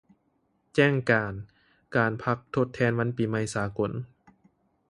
ແຈ້ງການ ການພັກທົດແທນວັນປີໃຫມ່ສາກົນ